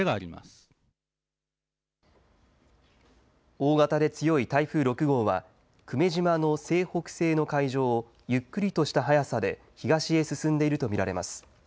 大型で強い台風６号は久米島の西北西の海上をゆっくりとした速さで東へ進んでいると見られます。